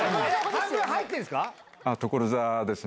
半分入ってるんですか？